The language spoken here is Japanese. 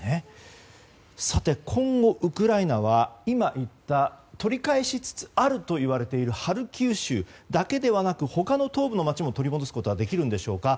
今後、ウクライナは今言った取り返しつつあるといわれているハルキウ州だけではなく他の東部の街も取り戻すことはできるんでしょうか。